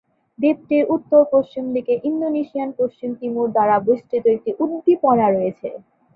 দ্বীপটির উত্তর-পশ্চিম দিকে ইন্দোনেশিয়ান পশ্চিম তিমুর দ্বারা বেষ্টিত একটি উদ্দীপনা রয়েছে।